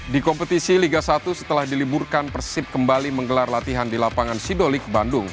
di kompetisi liga satu setelah diliburkan persib kembali menggelar latihan di lapangan sidolik bandung